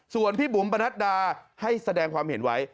ส่วนพี่บุ๋มปนัดดาให้แสดงความเห็นไว้